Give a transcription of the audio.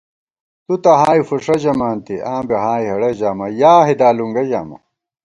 تُو تہ ہائے فُݭہ ژمانتی، آں بی ہائے ہېڑہ ژامہ ، یا ہِدالُونگہ ژامہ